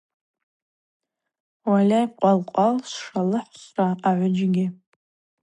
Уальай, къвал-къвал швшалыхӏхра агӏвыджьгьи.